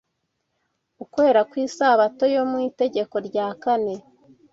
Ukwera kw’Isabato yo mu itegeko rya kane